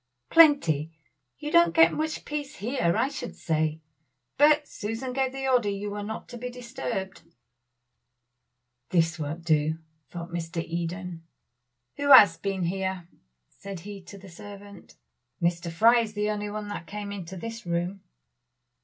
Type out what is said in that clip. "Plenty. You don't get much peace here, I should say; but Susan gave the order you were not to be disturbed." "This won't do," thought Mr. Eden. "Who has been here?" said he to the servant. "Mr. Fry is the only one that came into this room."